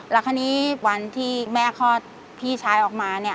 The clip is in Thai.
แล้วคราวนี้วันที่แม่คลอดพี่ชายออกมา